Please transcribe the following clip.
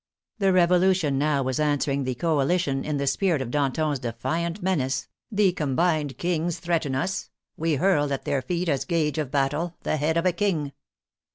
The Revolution now was answering the coalition in the spirit of Damon's defiant menace " the combined kings threaten us, we hurl at their feet as gage of battle the head of a king."